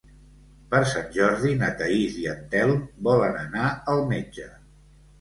Per Sant Jordi na Thaís i en Telm volen anar al metge.